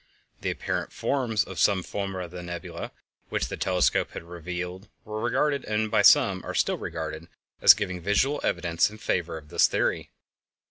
The apparent forms of some of the nebulæ which the telescope had revealed were regarded, and by some are still regarded, as giving visual evidence in favor of this theory.